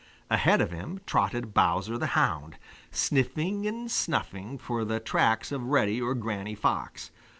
Ahead of him trotted Bowser the Hound, sniffing and snuffing for the tracks of Reddy or Granny Fox.